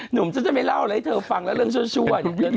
หนุ่มฉันจะไม่เล่าอะไรให้เธอฟังแล้วเรื่องชั่ว